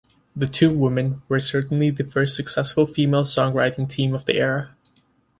The two women were certainly the first successful female songwriting team of the era.